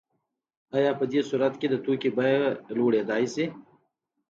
آیا په دې صورت کې د توکي بیه لوړیدای شي؟